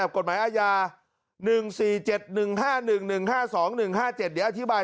กฎหมายอาญา๑๔๗๑๕๑๑๕๒๑๕๗เดี๋ยวอธิบาย